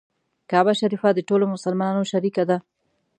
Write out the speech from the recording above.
کعبه شریفه د ټولو مسلمانانو شریکه ده.